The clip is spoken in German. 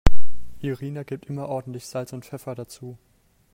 Irina gibt immer ordentlich Salz und Pfeffer dazu.